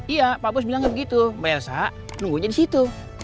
iya pak bos bilang begitu mbak elsa nunggunya di situ